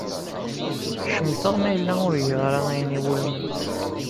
Cemteɣ ma yella ur giɣ ara ayen iwulmen.